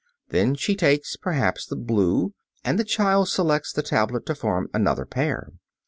Then she takes perhaps the blue and the child selects the tablet to form another pair.